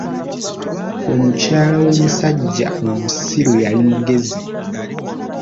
Omukyala w'omusajja omusiru yali mugezi.